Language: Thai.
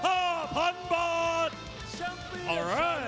เจ้าท่านท่านผู้ชมครับ